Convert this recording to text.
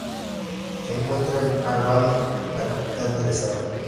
Se encuentra en Albany, la capital del estado.